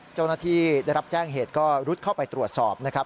เจ้าหน้าที่ได้รับแจ้งเหตุก็รุดเข้าไปตรวจสอบนะครับ